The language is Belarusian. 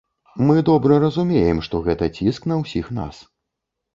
Мы добра разумеем, што гэта ціск на ўсіх нас.